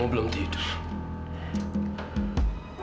unlikely dengasdisah bank aaaan